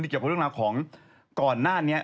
เกี่ยวกับเรื่องราวของก่อนหน้านี้